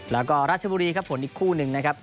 แล้วก็ราชบุรีครับผลอีกคู่หนึ่งนะครับ